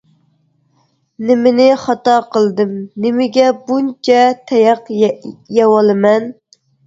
نېمىنى خاتا قىلدىم، نېمىگە بۇنچە تاياق يەۋالىمەن.